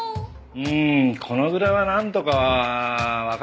うーんこのぐらいはなんとかわかるかな？